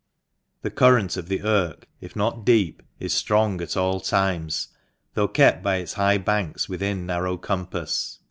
The current of the Irk, if not deep, is strong at all times, though kept by its high banks within narrow compass.